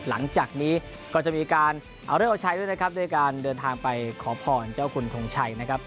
หลังจากนี้ก็จะมีการเอาเลิกเอาใช้ด้วยนะครับด้วยการเดินทางไปขอพรเจ้าคุณทงชัยนะครับ